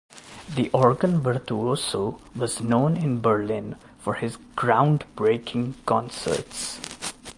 The organ virtuoso was known in Berlin for his "groundbreaking" concerts.